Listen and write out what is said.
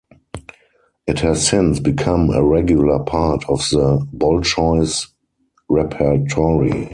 It has since become a regular part of the Bolshoi's repertory.